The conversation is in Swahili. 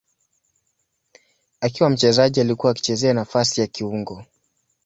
Akiwa mchezaji alikuwa akicheza nafasi ya kiungo.